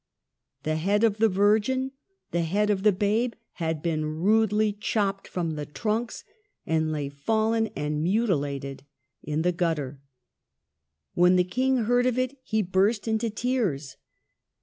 The head of the Virgin, the head of the Babe, had been rudely chopped from the trunks, and lay, fallen and mutilated, in the gutter. When the King heard of it, he burst into tears.